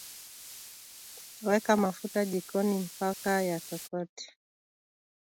weka mafuta jikoni mpaka yatokote